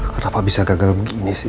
kenapa bisa gagal begini sih